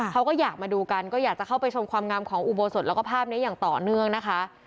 เขาก็อยากมาดูกันก็อยากจะเข้าไปชมความงามของอุโบสถแล้วก็ภาพนี้อย่างต่อเนื่องนะคะ